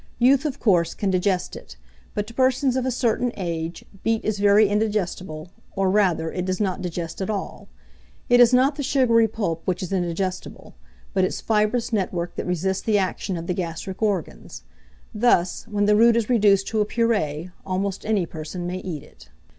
Youth, of course, can digest it; but to persons of a certain age beet is very indigestible, or rather, it does not digest at all. It is not the sugary pulp which is indigestible, but its fibrous network that resists the action of the gastric organs. Thus, when the root is reduced to a puree, almost any person may eat it.